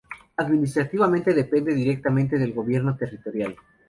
Administrativamente depende directamente del gobierno territorial.